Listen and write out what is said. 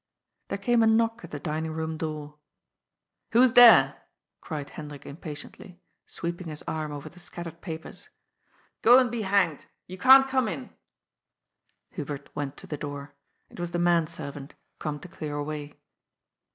There came a knock at the dining room door. "Who's there?" cried Hendrik impatiently, sweeping his arm over the scattered papers. " Go and be hanged ! You can't come in." Hubert went to the door. It was the man servant, come to clear away.